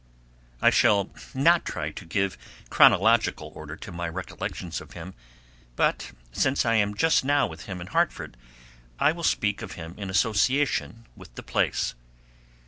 I shall not try to give chronological order to my recollections of him, but since I am just now with him in Hartford I will speak of him in association with the place.